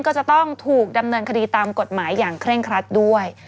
ก็จะต้องถูกดำเนินคดีตามกฎหมายอย่างเคร่งครัดด้วย